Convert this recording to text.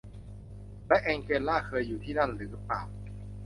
และแองเจลลาเคยอยู่ที่นั่นหรือเปล่า